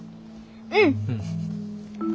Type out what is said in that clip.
うん！